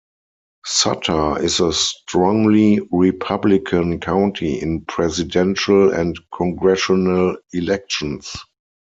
Sutter is a strongly Republican county in presidential and congressional elections.